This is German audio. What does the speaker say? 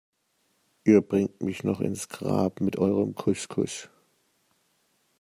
Ihr bringt mich noch ins Grab mit eurem Couscous.